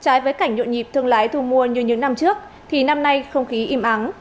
trái với cảnh nhộn nhịp thương lái thu mua như những năm trước thì năm nay không khí im ắng